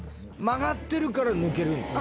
曲がってるから抜けるんです。